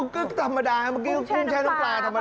ก็ธรรมดาภูมิแช่น้ำกลางธรรมดา